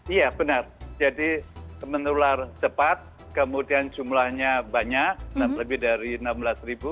iya benar jadi menular cepat kemudian jumlahnya banyak lebih dari enam belas ribu